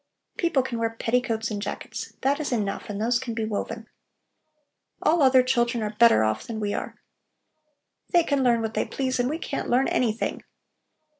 People can wear petticoats and jackets. That is enough, and those can be woven. All other children are better off than we are. They can learn what they please and we can't learn anything!"